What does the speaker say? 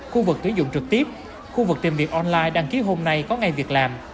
khu vực kế dụng trực tiếp khu vực tìm việc online đăng ký hôm nay có ngay việc làm